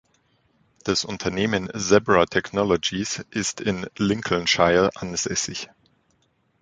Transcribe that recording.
Das Unternehmen Zebra Technologies ist in Lincolnshire ansässig.